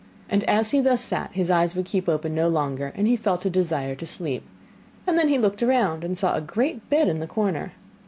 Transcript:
And as he thus sat, his eyes would keep open no longer, and he felt a desire to sleep. Then he looked round and saw a great bed in the corner.